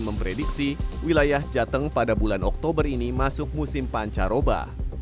memprediksi wilayah jateng pada bulan oktober ini masuk musim pancaroba